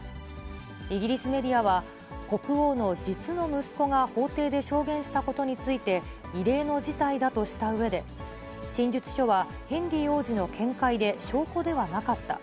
イギリスメディアは、国王の実の息子が法廷で証言したことについて、異例の事態だとしたうえで、陳述書はヘンリー王子の見解で、証拠ではなかった。